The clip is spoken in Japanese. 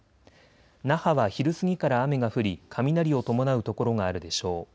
那覇は昼過ぎから雨が降り雷を伴う所があるでしょう。